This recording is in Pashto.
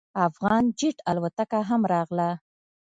افغان جیټ الوتکه هم راغله.